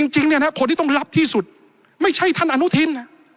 จริงเนี่ยนะคนที่ต้องรับที่สุดไม่ใช่ท่านอนุทิน